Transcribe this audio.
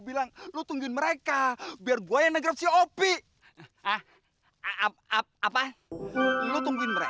beli ngangil tanjung